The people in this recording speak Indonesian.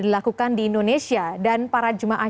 dilakukan di indonesia dan para jemaah